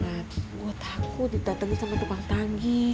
mat gue takut ditetengi sama tupang tanggi